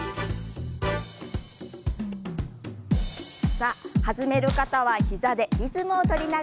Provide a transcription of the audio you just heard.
さあ弾める方は膝でリズムを取りながら。